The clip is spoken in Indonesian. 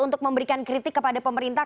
untuk memberikan kritik kepada pemerintah